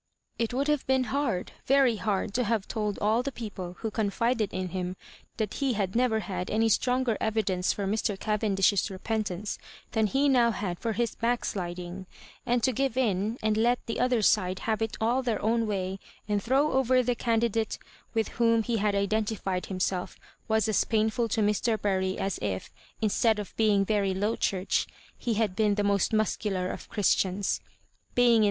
It would have been hard, very hard, to have told all the people who con fided in him that he had never had any stronger evidence for Mr. Cavendish's repentance than he now had for his backsliding ; and to give in, and let the other side have it all their own way and throw over the candidate with whom he Digitized by VjOOQIC MISS MARJOBIBANKa 165 had identified himself, was as painful to Mr. Bury as if, instead of being very Low Church, he had been the most muscular of Christians. Being in.